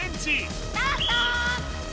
スタート！